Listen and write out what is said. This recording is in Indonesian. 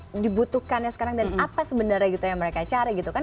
apa yang dibutuhkannya sekarang dan apa sebenarnya gitu yang mereka cari gitu kan